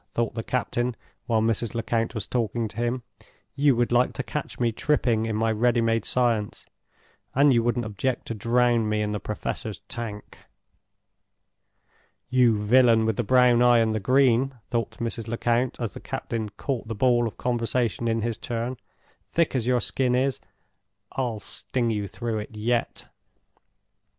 thought the captain, while Mrs. Lecount was talking to him. "You would like to catch me tripping in my ready made science, and you wouldn't object to drown me in the Professor's Tank!" "You villain with the brown eye and the green!" thought Mrs. Lecount, as the captain caught the ball of conversation in his turn; "thick as your skin is, I'll sting you through it yet!"